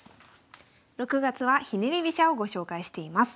６月はひねり飛車をご紹介しています。